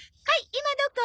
今どこ？